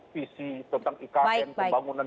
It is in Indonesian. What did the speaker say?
visi tentang ikm pembangunan